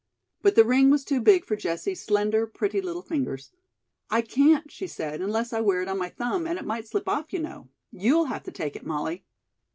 But the ring was too big for Jessie's slender, pretty little fingers. "I can't," she said, "unless I wear it on my thumb, and it might slip off, you know. You'll have to take it, Molly."